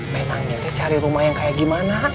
memangnya teh cari rumah yang kayak gimana